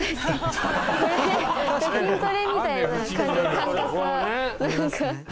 筋トレみたいな感じ感覚はなんか。